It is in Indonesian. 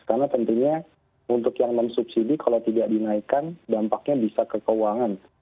karena tentunya untuk yang non subsidi kalau tidak dinaikkan dampaknya bisa ke keuangan